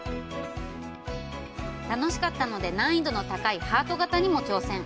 楽しかったので、難易度の高いハート型にも挑戦！